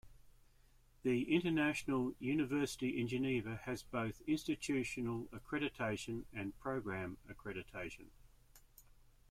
The International University in Geneva has both institutional accreditation and program accreditation.